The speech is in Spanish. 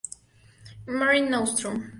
Mare Nostrum.